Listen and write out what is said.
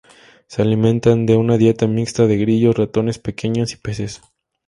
Se alimentan de una dieta mixta de grillos, ratones pequeños, y peces.